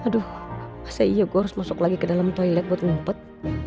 aduh masa iya gue harus masuk lagi ke dalam toilet buat ngumpet